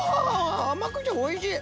甘くておいしい！